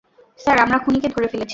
Sir, আমরা খুনিকে ধরে ফেলেছি।